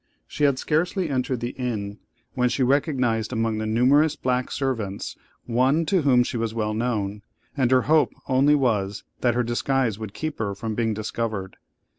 She had scarcely entered the inn, when she recognised among the numerous black servants one to whom she was well known; and her only hope was, that her disguise would keep her from being discovered.